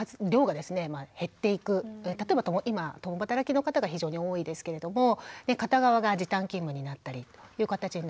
例えば今共働きの方が非常に多いですけれども片側が時短勤務になったりという形になります。